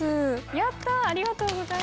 やった！